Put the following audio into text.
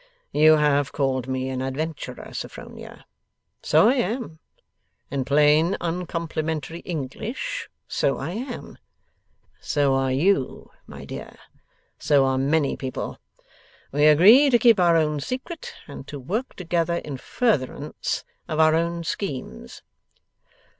You have called me an adventurer, Sophronia. So I am. In plain uncomplimentary English, so I am. So are you, my dear. So are many people. We agree to keep our own secret, and to work together in furtherance of our own schemes.